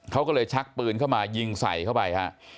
เขาก็เลยชักปืนเข้ามายิงใส่เข้าไปฮะ